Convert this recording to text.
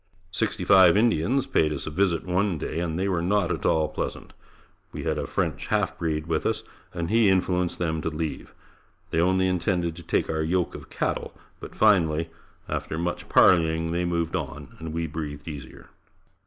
Sixty five Indians paid us a visit one day and they were not at all pleasant. We had a French half breed with us and he influenced them to leave. They only intended to take our yoke of cattle, but finally, after much parleying they moved on, and we breathed easier.